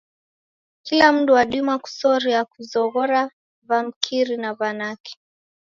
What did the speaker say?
Kila mndu wadima kusoria kuzoghora w'amrika na w'anake.